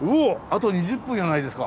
あと２０分じゃないですか。